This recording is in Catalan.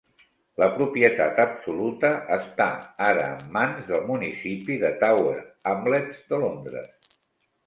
La propietat absoluta està ara en mans del municipi de Tower Hamlets de Londres.